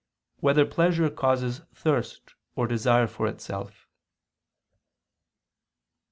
2] Whether Pleasure Causes Thirst or Desire for Itself?